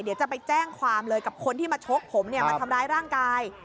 เดี๋ยวจะไปแจ้งความเลยกับคนที่มาชกผมเนี่ยมาทำร้ายร่างกาย